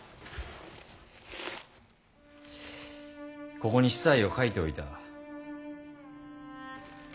ここに子細を書いておいた。